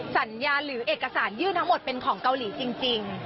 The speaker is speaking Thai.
สัญญาหรือเอกสารยื่นทั้งหมดเป็นของเกาหลีจริง